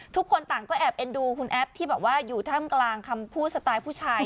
ทุกคนต่างก็แอบเอ็นดูคุณแอฟที่แบบว่าอยู่ท่ามกลางคำพูดสไตล์ผู้ชาย